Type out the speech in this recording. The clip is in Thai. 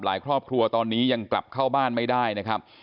ครอบครัวตอนนี้ยังกลับเข้าบ้านไม่ได้นะครับ